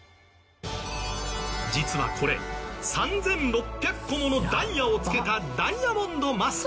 実はこれ３６００個ものダイヤをつけたダイヤモンドマスク。